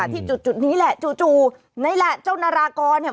ที่จุดจุดนี้แหละจู่จู่ไหนแหละเจ้านารากรเนี้ย